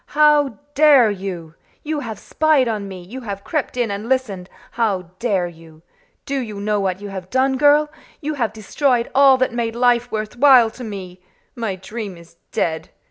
"How dare you? You have spied on me you have crept in and listened! How dare you? Do you know what you have done, girl? You have destroyed all that made life worth while to me. My dream is dead.